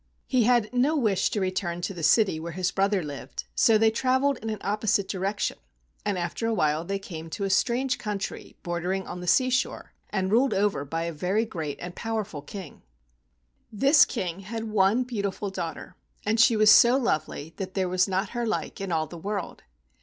He had no wish to return to the city where his brother lived, so they traveled in an opposite direction, and after a while they came to a strange country bordering on the seashore and ruled over by a very great and powerful King. 36 AN EAST INDIAN STORY This King had one beautiful daughter, and she was so lovely that there was not her like in all the world.